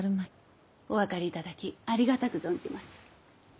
お分かり頂きありがたく存じます。